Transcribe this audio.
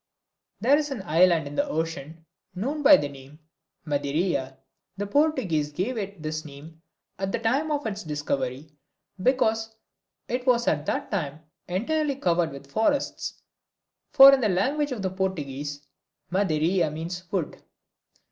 There is an island in the ocean, known by the name of Madeira. The Portuguese gave it this name at the time of its discovery because it was at that time entirely covered with forests, for in the language of the Portuguese, Madeira means wood.